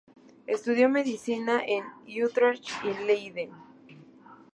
Estudió medicina en Utrecht y Leiden.